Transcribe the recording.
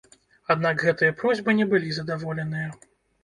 Аднак гэтыя просьбы не былі задаволеныя.